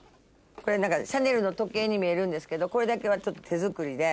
これシャネルの時計に見えるんですけどこれだけは手作りで。